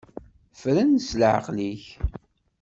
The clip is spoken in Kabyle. Fren s leɛqel-ik.